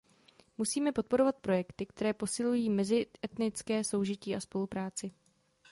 Musíme podporovat projekty, které posilují mezietnické soužití a spolupráci.